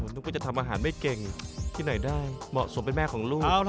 นึกว่าจะทำอาหารไม่เก่งที่ไหนได้เหมาะสมเป็นแม่ของลูก